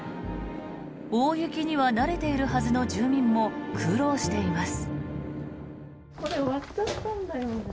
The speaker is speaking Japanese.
大雪には慣れているはずの住民も苦労しています。